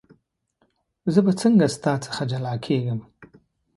زه به څنګه ستا څخه جلا کېږم.